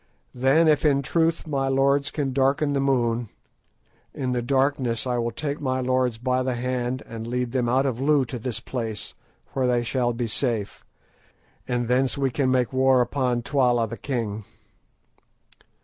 Then, if in truth my lords can darken the moon, in the darkness I will take my lords by the hand and lead them out of Loo to this place, where they shall be safe, and thence we can make war upon Twala the king."